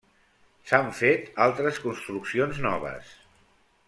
S’han fet altres construccions noves.